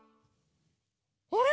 あれ？